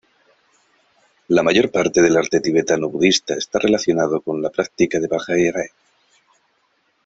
La mayor parte del arte tibetano-budista está relacionado con la práctica de Vajrayāna.